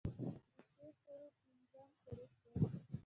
د "ث" حرف پنځم حرف دی.